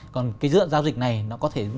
còn cái dự án giao dịch này nó có thể